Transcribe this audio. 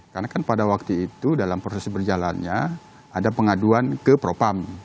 karena kan pada waktu itu dalam proses berjalannya ada pengaduan ke propam